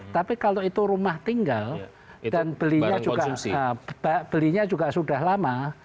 tapi kalau itu rumah tinggal dan belinya juga sudah lama